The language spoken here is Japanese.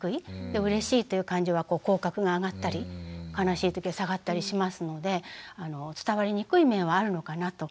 でうれしいという感情は口角が上がったり悲しい時は下がったりしますので伝わりにくい面はあるのかなと。